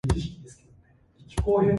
However the styles are markedly different.